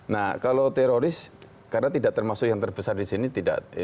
nah kalau teroris karena tidak termasuk yang terbesar di sini tidak